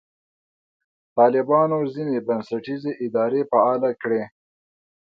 طالبانو ځینې بنسټیزې ادارې فعاله کړې.